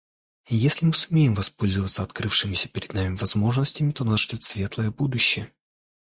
Если мы сумеем воспользоваться открывшимися перед нами возможностями, то нас ждет светлое будущее.